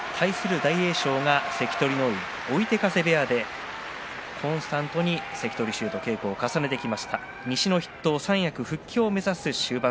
大栄翔が追手風部屋でコンスタントに関取衆と稽古を重ねてきました。